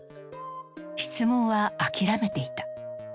質問は諦めていた。